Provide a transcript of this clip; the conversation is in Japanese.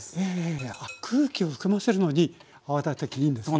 いやあっ空気を含ませるのに泡立て器いいんですね。